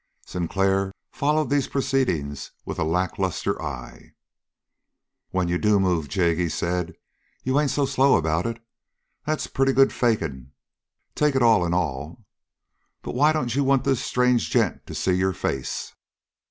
Sinclair followed these proceedings with a lackluster eye. "When you do move, Jig," he said, "you ain't so slow about it. That's pretty good faking, take it all in all. But why don't you want this strange gent to see your face?"